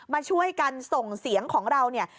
มาช่วยกันส่งเสียงของเราเนี่ย